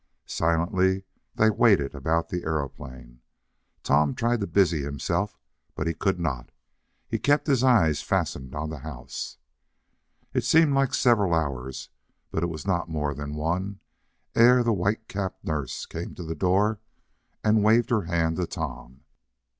Silently they waited about the aeroplane. Tom tried to busy himself, but he could not. He kept his eyes fastened on the house. It seemed like several hours, but it was not more than one, ere the white capped nurse came to the door and waved her hand to Tom.